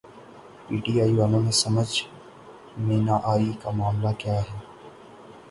P T I والوں کی سمجھ میں نہ آئی کہ معاملہ کیا ہے۔